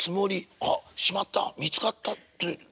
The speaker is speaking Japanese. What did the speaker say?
「『あっしまった見つかった』ってつもり」。